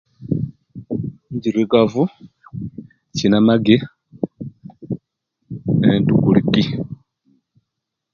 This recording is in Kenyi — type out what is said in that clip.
Enjirugavu kinamagi ne emwuufu